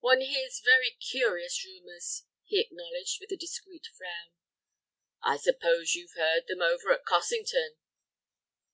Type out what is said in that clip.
"One hears very curious rumors," he acknowledged, with a discreet frown. "I suppose you've heard them over at Cossington?"